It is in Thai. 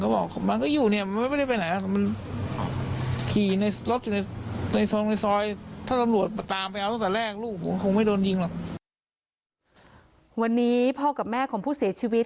วันนี้พ่อกับแม่ของผู้เสียชีวิต